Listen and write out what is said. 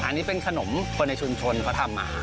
อันนี้เป็นขนมคนในชุมชนเขาทำมา